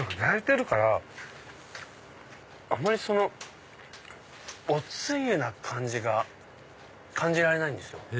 焼いてるからあまりおつゆな感じが感じられないんですよ。